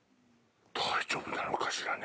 大丈夫なのかしらね？